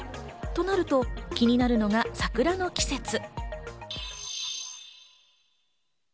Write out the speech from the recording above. となると気になるのが桜の季節。